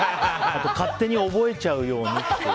あと勝手に覚えちゃうようにと。